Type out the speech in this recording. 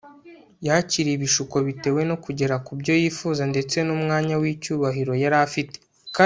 yakiriye ibishuko bitewe no kugera ku byo yifuza ndetse n'umwanya w'icyubahiro yari afite